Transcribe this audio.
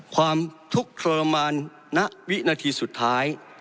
ความทุกข์ทรมานณวินาทีสุดท้าย